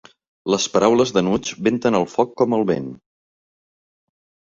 Les paraules d'enuig venten el foc com el vent.